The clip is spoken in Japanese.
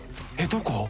どこ？